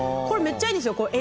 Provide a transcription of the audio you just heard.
これめっちゃいいんですよ。